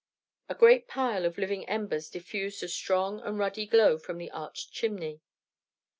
A great pile of living embers diffused a strong and ruddy glow from the arched chimney.